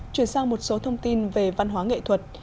chuyển sang một số thông tin về văn hóa nghệ thuật